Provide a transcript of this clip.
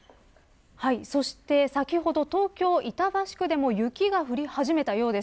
そして、先ほど東京、板橋区でも雪が降り始めたようです。